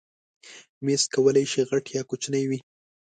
مېز کولی شي غټ یا کوچنی وي.